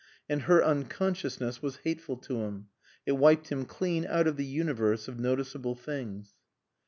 And her unconsciousness was hateful to him. It wiped him clean out of the universe of noticeable things.